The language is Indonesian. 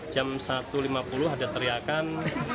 jam satu lima puluh ada teriakan